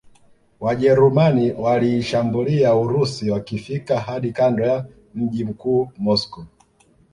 Wajerumani waliishambulia Urusi wakifika hadi kando ya mji mkuu Moscow